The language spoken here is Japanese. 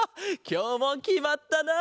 きょうもきまったな！